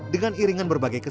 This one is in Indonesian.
dengan iringan berbagai kelas